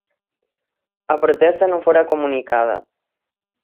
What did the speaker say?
A protesta non fora comunicada.